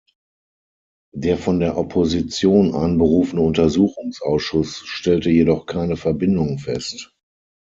Der von der Opposition einberufene Untersuchungsausschuss stellte jedoch keine Verbindung fest.